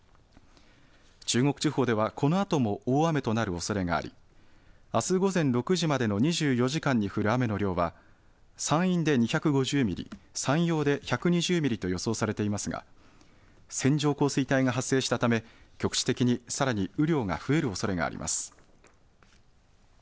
中国地方ではこのあとも大雨となるおそれがありあす午前６時までの２４時間に降る雨の量は山陰で２５０ミリ、山陽で１２０ミリと予想されていますが線状降水帯が発生したため局地的にさらに雨量が増えるおそれがあります。